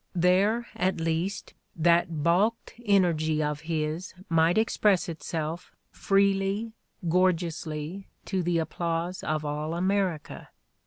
There, at • least, that balked energy of his might express itself freely, gorgeously, to the applause of all America.